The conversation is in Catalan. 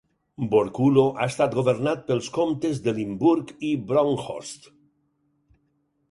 Borculo ha estat governat pels comptes de Limburg i Bronkhorst.